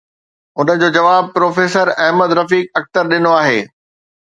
ان جو جواب پروفيسر احمد رفيق اختر ڏنو آهي.